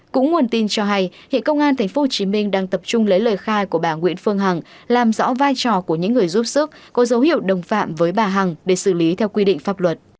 cũng nguồn tin cho hay hiện công an tp hcm đang tập trung lấy lời khai của bà nguyễn phương hằng làm rõ vai trò của những người giúp sức có dấu hiệu đồng phạm với bà hằng để xử lý theo quy định pháp luật